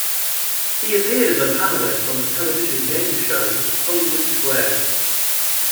He appeared as a panelist on the television game show "Hollywood Squares".